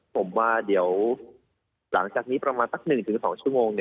ผมว่าเดี๋ยวหลังจากนี้ประมาณสัก๑๒ชั่วโมง